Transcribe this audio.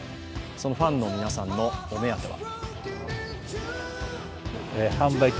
そのファンの皆さんのお目当ては？